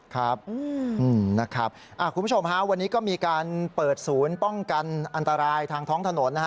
คุณผู้ชมฮะวันนี้ก็มีการเปิดศูนย์ป้องกันอันตรายทางท้องถนนนะฮะ